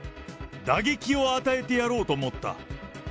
打撃を与えてやろうと思った。